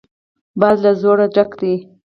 باد له زور ډک دی.